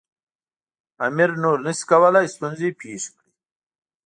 امیر نور نه شي کولای ستونزې پېښې کړي.